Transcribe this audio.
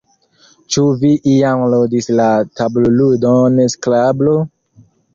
Ĉu vi iam ludis la tabulludon Skrablo?